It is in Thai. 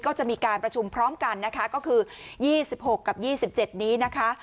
ก็จะมีการประชุมพร้อมกันนะคะก็คือ๒๖กับ๒๗นี้นะคะ